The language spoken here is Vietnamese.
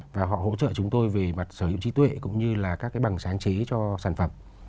và họ hỗ trợ chúng tôi về mặt sở hữu trí tuệ cũng như là các cái bằng sáng chế cho sản phẩm